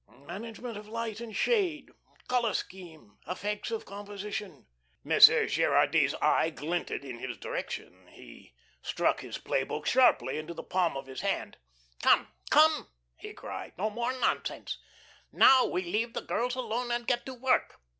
"Management of light and shade" ... "color scheme" ... "effects of composition." Monsieur Gerardy's eye glinted in his direction. He struck his play book sharply into the palm of his hand. "Come, come!" he cried. "No more nonsense. Now we leave the girls alone and get to work.